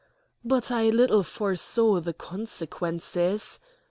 But I little foresaw the consequences.